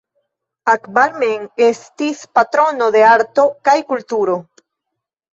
Akbar mem estis patrono de arto kaj kulturo.